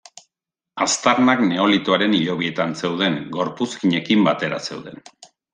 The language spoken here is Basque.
Aztarnak neolitoaren hilobietan zeuden, gorpuzkinekin batera zeuden.